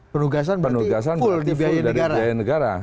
penugasan berarti full di biaya negara